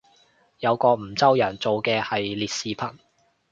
有個梧州人做嘅系列視頻